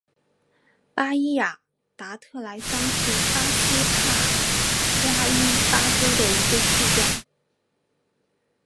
巴伊亚达特莱桑是巴西帕拉伊巴州的一个市镇。